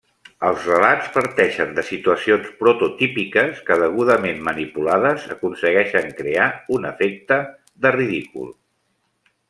Els relats parteixen de situacions prototípiques que, degudament manipulades, aconsegueixen crear un efecte de ridícul.